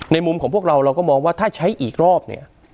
มุมของพวกเราเราก็มองว่าถ้าใช้อีกรอบเนี่ย